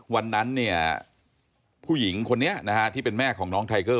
วันนั้นเนี่ยผู้หญิงคนนี้นะฮะที่เป็นแม่ของน้องไทเกอร์